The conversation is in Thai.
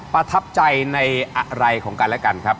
ประทับใจในอะไรของกันและกันครับ